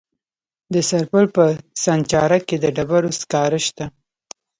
د سرپل په سانچارک کې د ډبرو سکاره شته.